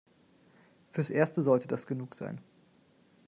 Fürs Erste sollte das genug sein.